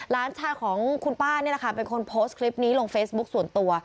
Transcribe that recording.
หลานชายของคุณป้านี่แหละค่ะเป็นคนโพสต์คลิปนี้ลงเฟซบุ๊คส่วนตัว